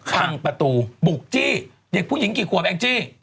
พังประตูบุกจี้เด็กผู้หญิงกี่ขวบแองจี้